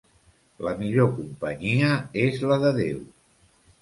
La millor companyia és la de Déu.